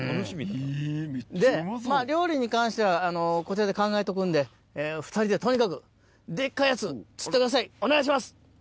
で料理に関してはこちらで考えとくんで２人でとにかくデッカいやつ釣ってくださいお願いします！